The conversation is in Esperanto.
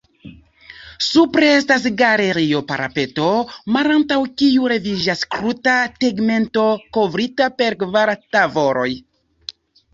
Supre estas galerio-parapeto, malantaŭ kiu leviĝas kruta tegmento kovrita per kvar tavoloj.